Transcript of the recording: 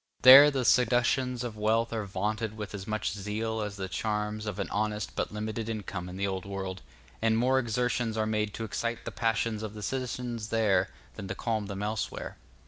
There, the seductions of wealth are vaunted with as much zeal as the charms of an honest but limited income in the Old World, and more exertions are made to excite the passions of the citizens there than to calm them elsewhere.